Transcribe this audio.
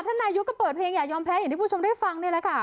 นายกก็เปิดเพลงอย่ายอมแพ้อย่างที่คุณผู้ชมได้ฟังนี่แหละค่ะ